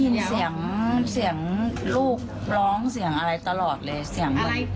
เหมือนคิดไปเองค่ะแต่ได้ยินตลอดเลย